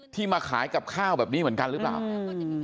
มาขายกับข้าวแบบนี้เหมือนกันหรือเปล่าอืม